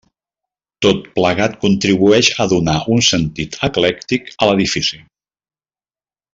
Tot plegat contribueix a donar un sentit eclèctic a l'edifici.